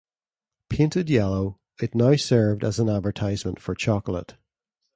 Painted yellow, it now served as an advertisement for chocolate.